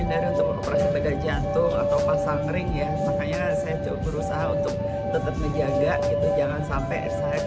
untuk operasi bedah jantung atau pasal ngering ya makanya saya cukup berusaha untuk tetap menjaga